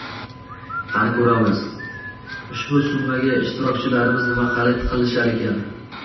Qani ko’ramiz ushbu summaga ishtirokchilarimiz nimalar xarid qilishgan ekan.